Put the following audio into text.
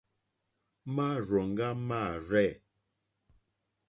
Márzòŋɡá mâ rzɛ̂.